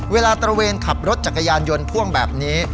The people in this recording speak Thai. ตระเวนขับรถจักรยานยนต์พ่วงแบบนี้